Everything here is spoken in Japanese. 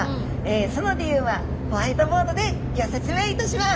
その理由はホワイトボードでギョ説明いたします。